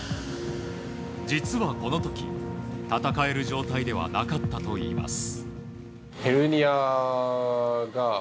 実はこの時、戦える状態ではなかったといいます。